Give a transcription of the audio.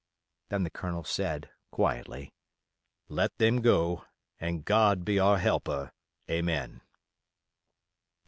Then the Colonel said, quietly, "Let them go, and God be our helper, Amen."